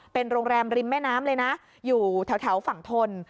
เป็นโรงแรมริมแม่น้ำเลยนะอยู่แถวฝั่งทน